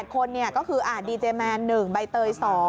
คนก็คือดีเจแมน๑ใบเตย๒